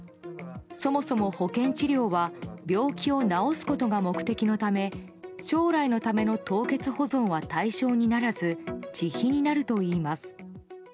そもそも保険治療は病気を治すことが目的のため将来のための凍結保存は対象にならず自費になるといいます。